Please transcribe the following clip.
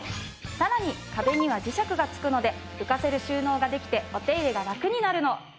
さらに壁には磁石が付くので浮かせる収納ができてお手入れがラクになるの。